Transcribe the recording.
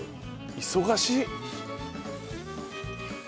忙しい。